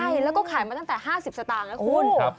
ใช่แล้วก็ขายมาตั้งแต่ห้าสิบสตางค์นะคุณครับ